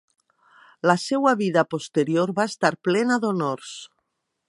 La seua vida posterior va estar plena d'honors.